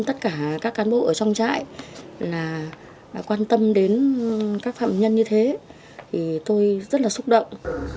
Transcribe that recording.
tất cả các cán bộ ở trong trại là quan tâm đến các phạm nhân như thế thì tôi rất là xúc động